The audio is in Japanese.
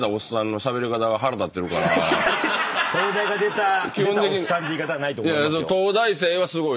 「東大出たおっさん」って言い方はないと思いますよ。